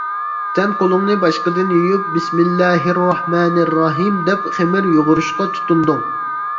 سەن قولۇڭنى باشقىدىن يۇيۇپ «بىسمىللاھىررەھمانىررەھىم» دەپ خېمىر يۇغۇرۇشقا تۇتۇندۇڭ.